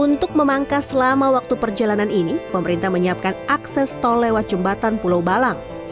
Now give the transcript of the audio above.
untuk memangkas selama waktu perjalanan ini pemerintah menyiapkan akses tol lewat jembatan pulau balang